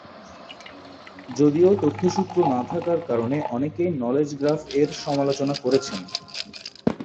যদিও তথ্যসূত্র না থাকার কারণে অনেকেই নলেজ গ্রাফ এর সমালোচনা করেছেন।